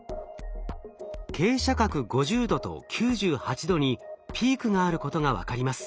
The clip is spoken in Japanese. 傾斜角５０度と９８度にピークがあることが分かります。